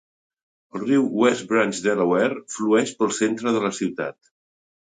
El riu West Branch Delaware flueix pel centre de la ciutat.